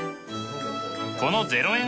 この０円